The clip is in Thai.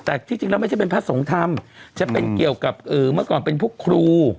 แต่ที่จริงแล้วไม่ใช่เป็นพระสงฆ์ธรรมจะเป็นเกี่ยวกับเมื่อก่อนเป็นพวกครู